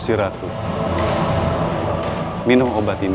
sebelum ini kau akan menangkap raja agung